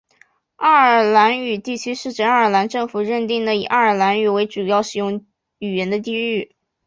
爱尔兰语地区是指爱尔兰政府认定的以爱尔兰语为主要使用语言的地区。